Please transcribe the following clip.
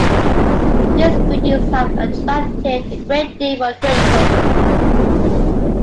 These buildings have attracted a great deal of criticism.